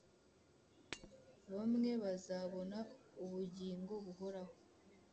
Bmwe bazabona ubugingo buhoraho